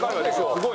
すごい。